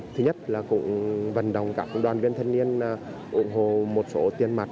thứ nhất là cũng vận động các đoàn viên thanh niên ủng hộ một số tiền mặt